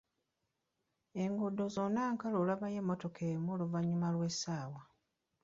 Enguuddo zonna nkalu olabayo emmotoka emu oluvannyuma lw'essaawa.